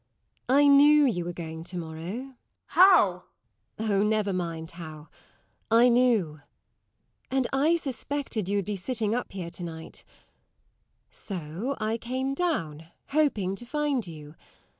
I knew you were going to morrow. SIR GEOFFREY. How? LADY TORMINSTER. Oh, never mind how! I knew. And I suspected you would be sitting up here to night. So I came down, hoping to find you.